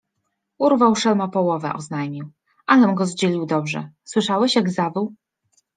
- Urwał szelma połowę - oznajmił. - Alem go zdzielił dobrze. Słyszałeś, jak zawył?